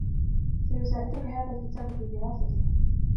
سيساعدك هذا الكتاب في دراستك.